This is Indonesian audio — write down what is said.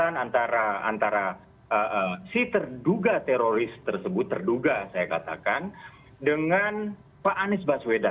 ya antara entah mui bahkan kedekatan antara si terduga teroris tersebut terduga saya katakan dengan pak anies baswedan